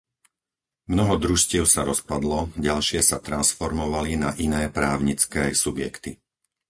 Mnoho družstiev sa rozpadlo, ďalšie sa transformovali na iné právnické subjekty.